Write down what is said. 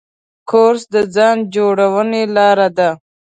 کورس د ځان جوړونې لاره ده.